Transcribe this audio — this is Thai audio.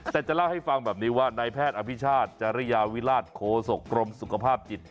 แต่จะเล่าให้ฟังแบบนี้ว่านายแพทย์อภิชาติจริยาวิราชโคศกรมสุขภาพจิต